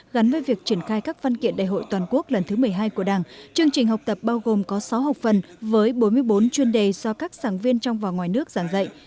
gắn với việc triển khai các văn kiện đại hội toàn quốc lần thứ một mươi hai của đảng chương trình học tập bao gồm có sáu học phần với bốn mươi bốn chuyên đề do các sản viên trong và ngoài nước giảng dạy